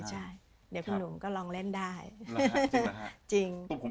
๑๒๓๔๕ใช่เดี๋ยวคุณหนุ่มก็ลองเล่นได้จริงแล้วฮะจริง